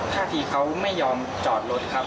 ท่าทีเขาไม่ยอมจอดรถครับ